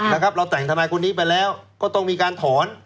เราแต่งทนายคนนี้ไปแล้วก็ต้องมีการถอน